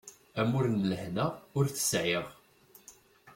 Amur n lehna ur t-sεiɣ.